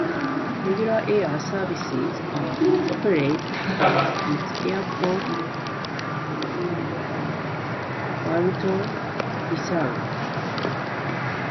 Regular air services are operated from its airport Bartolomeu Lysandro.